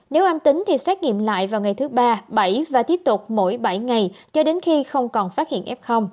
nếu âm tính thì xét nghiệm lại vào ngày thứ ba bảy và tiếp tục mỗi bảy ngày cho đến khi không còn phát hiện f